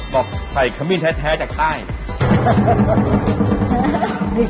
บอกใส่ขมิ้นแท้จากใต้